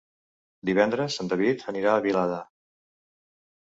Divendres en David anirà a Vilada.